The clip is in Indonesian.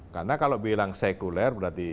karena kalau bilang sekuler berarti